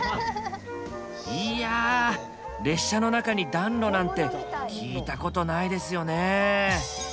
いや列車の中に暖炉なんて聞いたことないですよね。